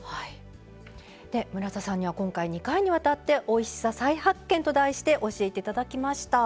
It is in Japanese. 村田さんには今回２回にわたって「おいしさ再発見！」と題して教えていただきました。